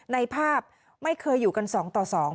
ในภาพไม่เคยอยู่กัน๒ต่อ๒